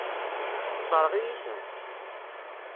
Tessṛeɣ-iyi-ten.